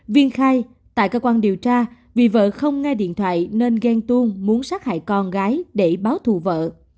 viên khai tại cơ quan điều tra vì vợ không nghe điện thoại nên ghen tuông muốn sát hại con gái để báo thù vợ